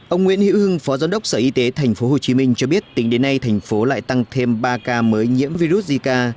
ông nguyễn hữu hưng phó giám đốc sở y tế tp hcm cho biết tính đến nay thành phố lại tăng thêm ba ca mới nhiễm virus zika